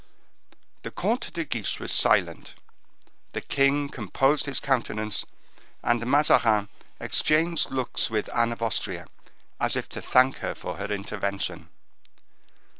The Comte de Guiche was silent: the king composed his countenance, and Mazarin exchanged looks with Anne of Austria, as if to thank her for her intervention.